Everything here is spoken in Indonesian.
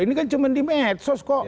ini kan cuma di medsos kok